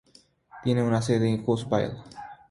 Tiene su sede en Huntsville.